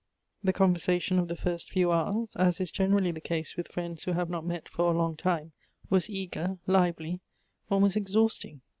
The conversation of the first few hours, as is generally the case with friends who have not met for a long time, was eager, lively, almost exhausting.